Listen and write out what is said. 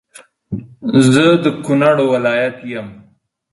زه د کونړ ولایت یم